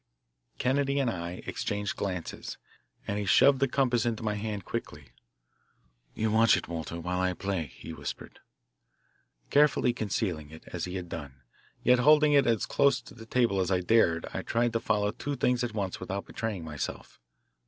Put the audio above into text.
Kennedy and I exchanged glances, and he shoved the compass into my hand quickly. "You watch it, Walter, while I play," he whispered. Carefully concealing it, as he had done, yet holding it as close to the table as I dared I tried to follow two things at once without betraying myself.